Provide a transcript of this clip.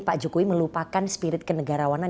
pak jokowi melupakan spirit kenegarawanan